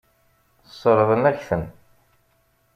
Sseṛɣen-ak-ten.